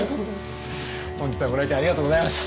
本日はご来店ありがとうございました。